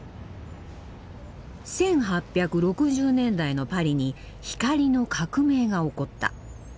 １８６０年代のパリに光の革命が起こった。